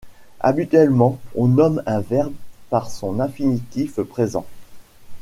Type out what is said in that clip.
Habituellement, on nomme un verbe par son infinitif présent.